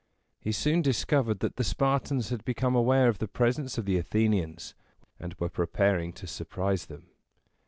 He soon discovered that the Spartans had become aware of the presence of the Athenians, and were preparing to surprise them.